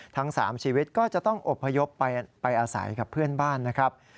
ทั้ง๓ชีวิตก็จะต้องอบพยพไปอาศัยกับเพื่อนบ้านนะครับ